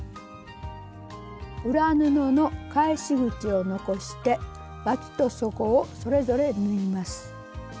裏布の返し口を残してわきと底をそれぞれ縫います。